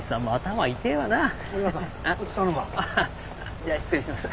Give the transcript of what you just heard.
じゃあ失礼します。